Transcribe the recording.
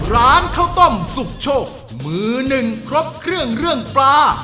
ร้านข้าวต้มสุกโชคมือหนึ่งครบเครื่องเรื่องปลา